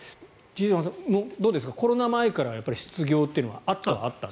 千々岩さん、どうですかコロナ前から失業はあったはあった？